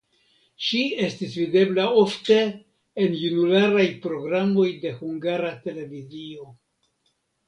Ŝi estis videbla ofte en junularaj programoj de Hungara Televizio.